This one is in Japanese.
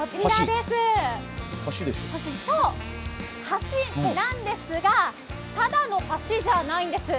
橋なんですが、ただの橋じゃないんです。